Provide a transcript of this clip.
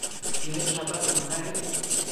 यह छाता तुम्हारा है क्या?